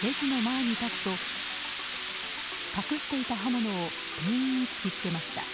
レジの前に立つと隠していた刃物を店員に突き付けました。